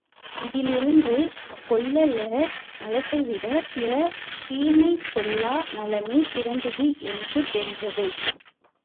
இதிலிருந்து கொல்லர் நலத்தைவிடப் பிறர் தீமை சொல்லா நலமே சிறந்தது என்றுந் தெரிகிறது.